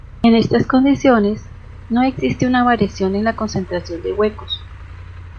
En estas condiciones, no existe una variación en la concentración de huecos.